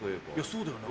そうだよな？